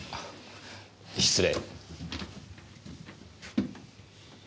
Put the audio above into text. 失礼。